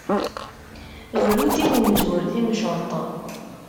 Bru-d i umzur timceṭ.